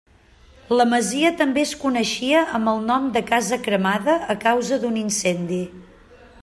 La masia també es coneixia amb el nom de Casa Cremada a causa d'un incendi.